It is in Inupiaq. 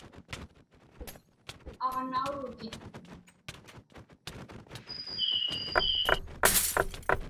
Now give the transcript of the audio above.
Aġnaurutin.